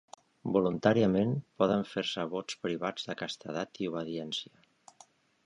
Voluntàriament, poden fer-se vots privats de castedat i obediència.